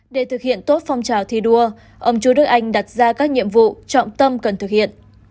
để thực hiện tốt phong trào thi đua ông chú đức anh đặt ra các nhiệm vụ trọng tâm cần thực hiện